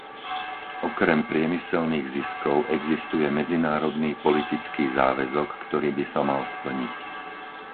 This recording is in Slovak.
Okrem priemyselných ziskov existuje medzinárodný politický záväzok, ktorý by sa mal splniť.